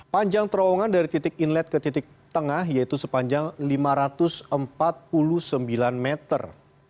panjang terowongan dari titik inlet ke titik tengah yaitu sepanjang lima ratus empat puluh sembilan meter